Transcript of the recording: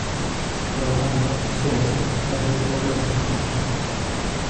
Polo tanto, isto é así, admite poucas discusións.